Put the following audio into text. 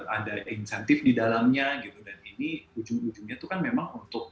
ada insentif di dalamnya gitu dan ini ujung ujungnya itu kan memang untuk